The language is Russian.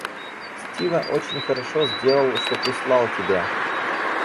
Стива очень хорошо сделал, что прислал тебя.